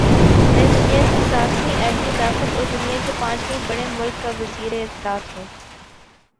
میں دنیا کی ساتویں ایٹمی طاقت اور دنیا کے پانچویں بڑے مُلک کا وزیراطلاعات ہوں